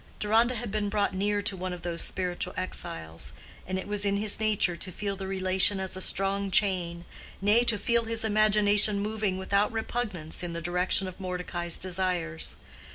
Deronda had been brought near to one of those spiritual exiles, and it was in his nature to feel the relation as a strong chain, nay, to feel his imagination moving without repugnance in the direction of Mordecai's desires.